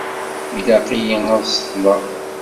Ilaq-iyi ad ṣeṭṭeleɣ.